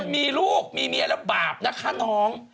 มีลูกมีเมียแล้วบาปนะคะน้อง